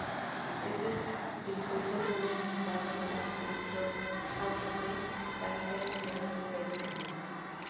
Estos impulsos son enviados al filtro ht para ser enviados por el canal.